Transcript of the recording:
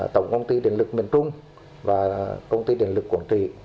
tổng công ty điện lực miền trung và công ty điện lực quảng trị